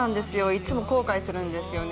いつも後悔するんですよね。